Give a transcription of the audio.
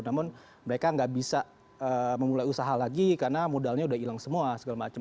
namun mereka nggak bisa memulai usaha lagi karena modalnya udah hilang semua segala macam